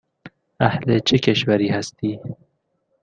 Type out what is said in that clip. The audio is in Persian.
اهل چه کشوری هستی؟